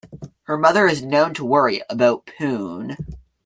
Her mother is known to worry about Poon.